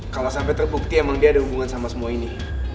kalau sampai terbukti emang dia ada hubungan sama semua ini